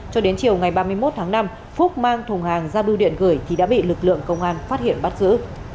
cho đến chiều ngày ba mươi một tháng năm phúc mang thùng hàng ra biêu điện gửi thì đã bị lực lượng công an phát hiện bắt giữ